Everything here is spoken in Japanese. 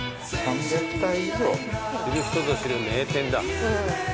知る人ぞ知る名店だ。